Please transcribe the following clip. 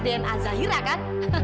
dna zairah kan